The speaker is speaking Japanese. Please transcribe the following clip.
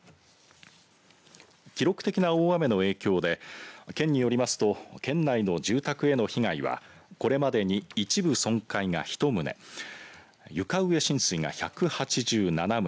記録的な大雨の影響で県によりますと県内の住宅への被害はこれまでに一部損壊が１棟床上浸水が１８７棟